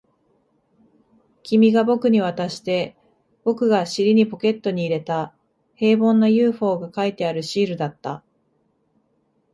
君が僕に渡して、僕が尻にポケットに入れた、平凡な ＵＦＯ が描いてあるシールだった